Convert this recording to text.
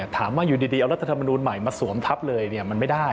ถามว่าอยู่ดีเอารัฐธรรมนูลใหม่มาสวมทับเลยมันไม่ได้